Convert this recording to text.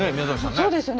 そうですね。